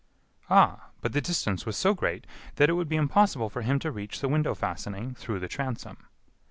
"Ah! but the distance was so great that it would be impossible for him to reach the window fastening through the transom."